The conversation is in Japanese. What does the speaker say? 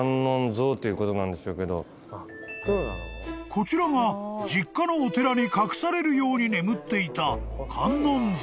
［こちらが実家のお寺に隠されるように眠っていた観音像］